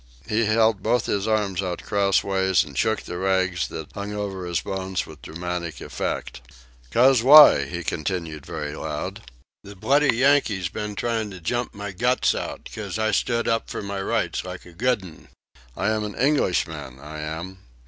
He held both his arms out crosswise and shook the rags that hung over his bones with dramatic effect. "'Cos why?" he continued very loud. "The bloody Yankees been tryin' to jump my guts out 'cos I stood up for my rights like a good 'un. I am an Englishman, I am.